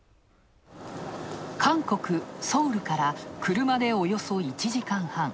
韓国・ソウルから、車でおよそ１時間半。